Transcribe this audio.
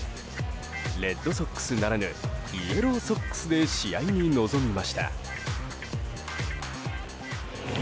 レッドソックスならぬイエローソックスで試合に臨みました。